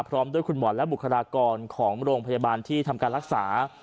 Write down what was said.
พร้อมด้วยคุณหมอและบุคลากรของโรงพยาบาลที่ทำการรักษา